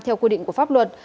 theo quy định của pháp luật